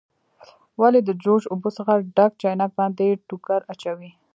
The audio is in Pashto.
ولې د جوش اوبو څخه ډک چاینک باندې ټوکر اچوئ؟